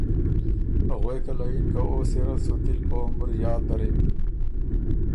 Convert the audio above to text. غوېکه له یِن که او سِر ات سُو تِل په عمر یاد درِم۔